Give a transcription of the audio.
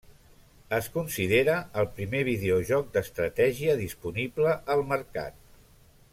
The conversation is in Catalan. Es considera el primer videojoc d'estratègia disponible al mercat.